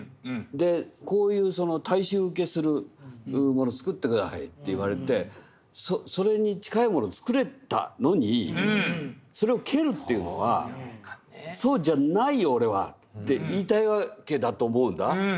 でこういう大衆受けするもの作って下さいって言われてそれに近いものを作れたのにそれを蹴るっていうのはそうじゃないよ俺はって言いたいわけだと思うんだ。